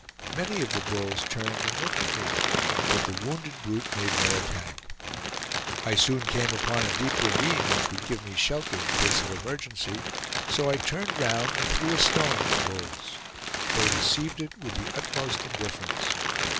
Many of the bulls turned and looked at me, but the wounded brute made no attack. I soon came upon a deep ravine which would give me shelter in case of emergency; so I turned round and threw a stone at the bulls. They received it with the utmost indifference.